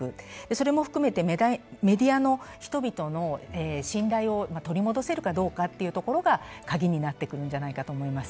それも含めてメディアの人々の信頼を取り戻せるかどうかっていうところが鍵になってくるんじゃないかと思います。